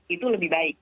itu lebih baik